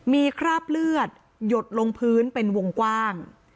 มีคราบเลือดหยดลงพื้นเป็นวงกว้าง